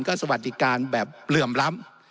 ก็สวัสดิการแบบเหลื่อมล้ำ